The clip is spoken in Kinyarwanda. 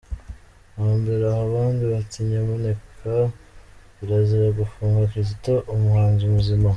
Hambere aha abandi bati ‘Nyamuneka’ kirazira gufunga Kizito umuhanzi muzima.